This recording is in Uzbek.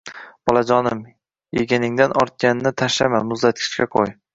- bolajonim, yeganingdan ortganini tashlama, muzlatgichga qo'y.